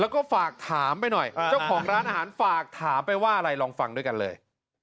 แล้วก็ฝากถามไปหน่อยเจ้าของร้านอาหารฝากถามไปว่าอะไรลองฟังด้วยกันเลย